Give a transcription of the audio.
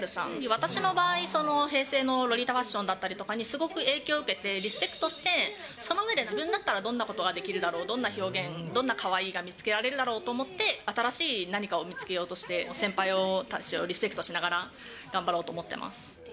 私の場合、その平成のロリータファッションだったりにすごく影響を受けて、リスペクトして、その上で自分だったらどんなができるだろう、どんな表現、どんなカワイイが見つけられるだろうと思って、新しい何かを見つけようとして、先輩たちをリスペクトしながら頑張ろうと思ってます。